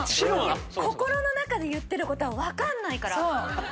心の中で言ってることはわかんないから。